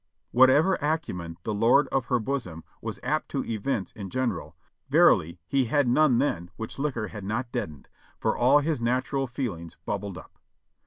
Whatever acumen the lord of her bosom was apt to evince in general, verily he had none then which liquor had not deadened, for all his natural feelings bubbled up.